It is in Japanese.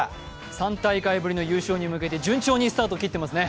３大会ぶりの優勝へ向けて順調にスタートを切っていますね。